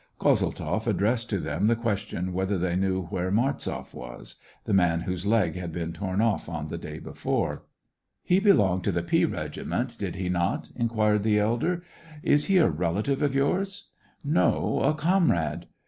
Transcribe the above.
Kozeltzoff addressed to them the question whether they knew where Martzoff was — the man whose leg had been torn off on the day before. *' He belonged to the P regiment, did he 174 SEVASTOPOL IN AUGUST. not ?" inquired the elder. Is he a relative of yours ?" "No, a comrade."